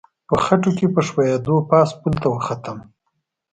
په خټو کې په ښویېدو پاس پل ته وختم.